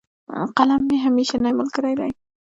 قلم مي همېشنی ملګری دی.